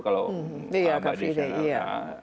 kalau mbak mbak di sana